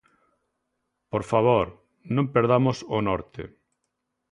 Por favor, non perdamos o norte.